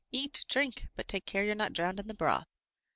eat, drink! but take care you're not drowned in the broth."